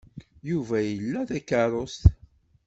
Yuba ila takeṛṛust.